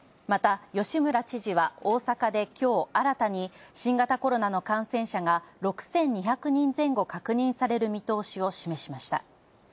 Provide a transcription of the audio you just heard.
また、吉村知事は大阪で今日新たに新型コロナの感染者が６２００人前後確認される見通しを示しました。